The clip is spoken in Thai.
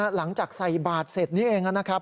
หลังจากใส่บาทเสร็จนี้เองนะครับ